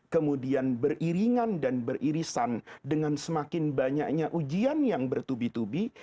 kemudian beriringan dan beririsan dengan semakin banyaknya ujian yang bertubi tubi